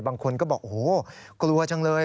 บางคนก็บอกโอ้โหกลัวจังเลย